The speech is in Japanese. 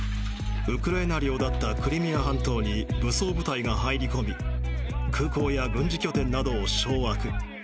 ウクライナ領だったクリミア半島に武装部隊が入り込み空港や軍事拠点などを掌握。